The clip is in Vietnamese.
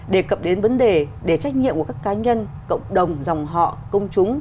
đề cập đến vấn đề để trách nhiệm của các cá nhân cộng đồng dòng họ công chúng